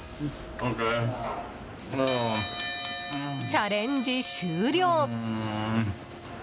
チャレンジ終了。